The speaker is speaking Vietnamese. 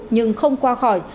nhưng không qua khỏi